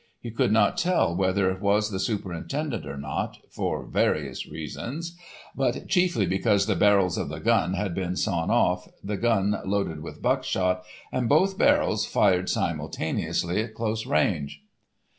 He could not tell whether it was the superintendent or not, for various reasons, but chiefly because the barrels of the gun had been sawn off, the gun loaded with buckshot, and both barrels fired simultaneously at close range.